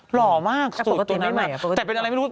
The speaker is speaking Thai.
หล่อมากสูตรตัวใหม่แต่เป็นอะไรพี่หนุ่ม